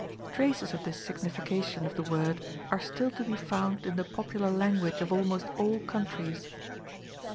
Traces of this signification of the word are still to be found in the popular language of almost all countries.